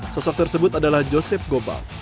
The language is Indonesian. sosok tersebut adalah joseph gobal